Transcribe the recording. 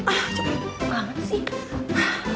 ah capek banget sih